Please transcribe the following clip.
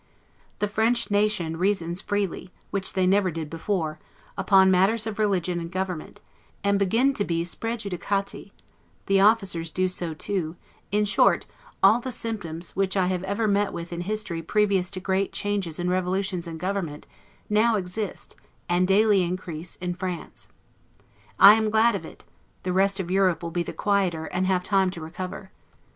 The French nation reasons freely, which they never did before, upon matters of religion and government, and begin to be 'sprejiudicati'; the officers do so too; in short, all the symptoms, which I have ever met with in history previous to great changes and revolutions in government, now exist, and daily increase, in France. I am glad of it; the rest of Europe will be the quieter, and have time to recover.